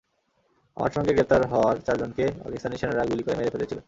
আমার সঙ্গে গ্রেপ্তার হওয়ার চারজনকে পাকিস্তানি সেনারা গুলি করে মেরে ফেলেছিল।